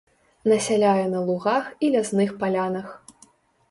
Насяляе на лугах і лясных палянах.